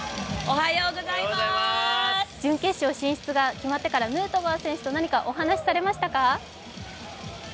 準決勝進出が決まってからヌートバー選手と何かお話はされましたか？